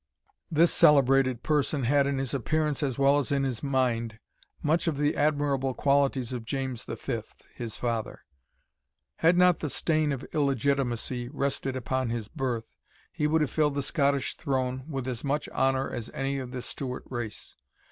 This celebrated person had in his appearance, as well as in his mind, much of the admirable qualities of James V. his father. Had not the stain of illegitimacy rested upon his birth, he would have filled the Scottish throne with as much honour as any of the Stewart race.